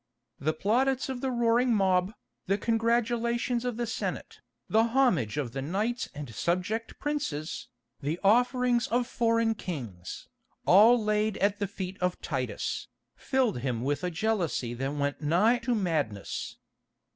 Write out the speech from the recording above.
The plaudits of the roaring mob, the congratulations of the Senate, the homage of the knights and subject princes, the offerings of foreign kings, all laid at the feet of Titus, filled him with a jealousy that went nigh to madness.